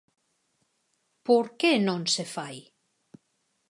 Por que non se fai?